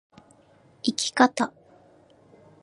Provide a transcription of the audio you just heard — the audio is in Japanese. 生き方